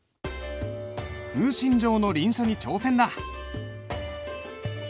「風信帖」の臨書に挑戦だ。